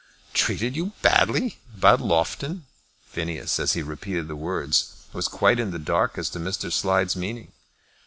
"Treated you badly about Loughton!" Phineas, as he repeated the words, was quite in the dark as to Mr. Slide's meaning.